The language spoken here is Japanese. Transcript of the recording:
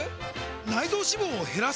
内臓脂肪を減らす！？